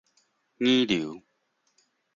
擬流